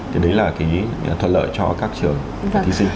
thì đấy là cái thuận lợi cho các trường và thí sinh